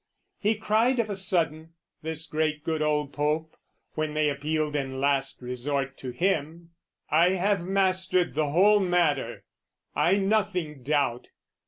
He cried of a sudden, this great good old Pope, When they appealed in last resort to him, "I have mastered the whole matter: I nothing doubt.